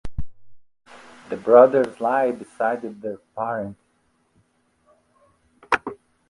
The brothers lie beside their parents.